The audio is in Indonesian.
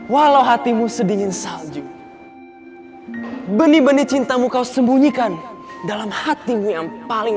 kalo heltimu sedingin salju beni beni cintamu kau sembunyikan dalam hatimu yang paling